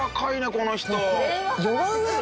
この人。